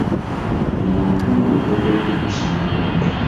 Lima obutungulu tojja kwejjusa munnage.